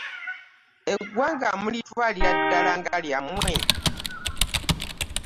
Eggwanga mulitwalira ddala nga lyammwe.